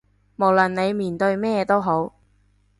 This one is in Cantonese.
無論你面對咩都好